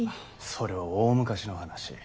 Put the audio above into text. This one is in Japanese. それは大昔の話。